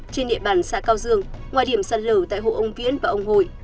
trên địa bàn xã cao dương ngoài điểm sạt lở tại hộ ông viễn và ông hồi